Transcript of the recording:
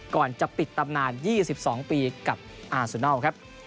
ก่อนจะปิดตำนาน๒๒ปีกับอาสุนัลครับ